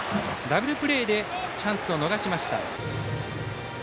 ダブルプレーでチャンスを逃しました。